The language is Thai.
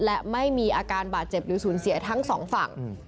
และไม่มีอาการบาดเจ็บหรือสูญเสียทั้งสองฝั่ง